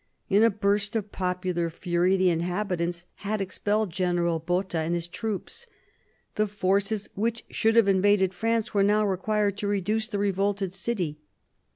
In a burst of popular fury the inhabitants had expelled General Botta and his troops. The forces which should have invaded France were now required to reduce the re volted city.